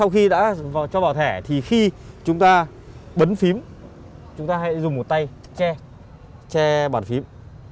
khi đã cho bỏ thẻ thì khi chúng ta bấn phím chúng ta hãy dùng một tay che bản phím